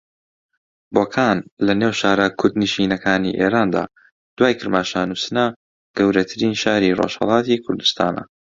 بۆکان لە نێو شارە کوردنشینەکانی ئێراندا دوای کرماشان و سنە گەورەترین شاری ڕۆژھەڵاتی کوردستانە